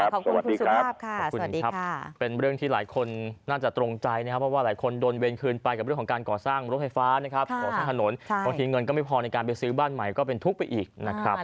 สวัสดีครับขอบคุณครับเป็นเรื่องที่หลายคนน่าจะตรงใจนะครับเพราะว่าหลายคนโดนเวรคืนไปกับเรื่องของการก่อสร้างรถไฟฟ้านะครับของทางถนนบางทีเงินก็ไม่พอในการไปซื้อบ้านใหม่ก็เป็นทุกข์ไปอีกนะครับ